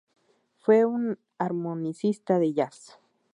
Fue un armonicista de jazz.